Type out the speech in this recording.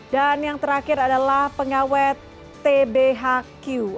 dan yang terakhir adalah pengawet tbhq